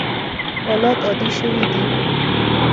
حالات عادي شوي دي.